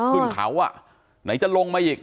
ขึ้นเขาอ่ะไหนจะลงมาอีก